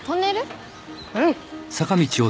うん。